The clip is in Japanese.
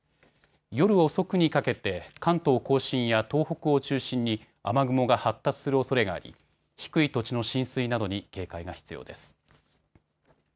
夜遅くにかけて関東甲信や東北を中心に雨雲が発達するおそれがあり低い土地の浸水などに警戒が必要です。